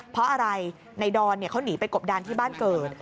เพราะอะไรในดอนเขาหนีไปกบดานที่บ้านเกิด